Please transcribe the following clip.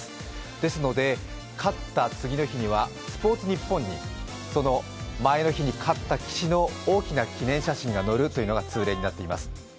ですので、勝った次の日には「スポーツニッポン」にその前の日に勝った棋士の大きな記念写真が載るのが通例となっています。